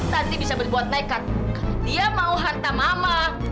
tanti bisa berbuat nekat kalau dia mau hantar mama